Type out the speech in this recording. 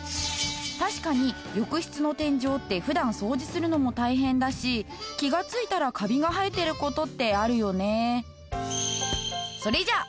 確かに浴室の天井って普段掃除するのも大変だし気がついたらカビが生えてる事ってあるよね。